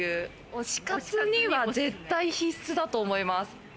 推し活には絶対必須だと思います。